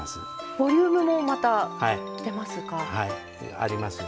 ボリュームもまた出ますか。